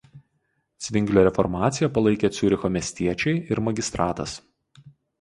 Cvinglio reformaciją palaikė Ciūricho miestiečiai ir magistratas.